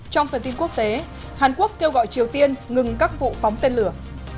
trong phần tin quốc tế hàn quốc kêu gọi triều tiên ngừng các vụ phóng tên lửa